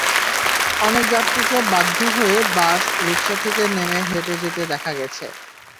অনেক যাত্রীকে বাধ্য হয়ে বাস, রিকশা থেকে নেমে হেঁটে যেতে দেখা গেছে।